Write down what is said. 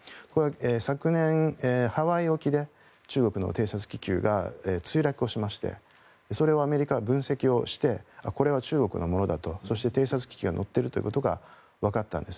昨年、ハワイ沖で中国の偵察気球が墜落をしましてそれをアメリカは分析をしてこれは中国のものだとそして偵察機器が乗っていることがわかったんです。